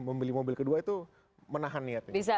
membeli mobil kedua itu menahan niatnya